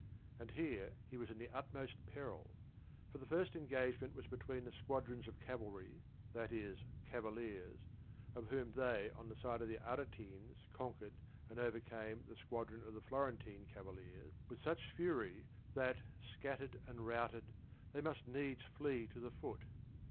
And here he was in the utmost peril ; for the first engagement was between the squadrons of cavalry, that is cavaliers, of whom they on the side of the Aretines conquered and overcame the squadron of the Florentine cavaliers with such furj', that, scattered and routed, they must needs flee to the foot.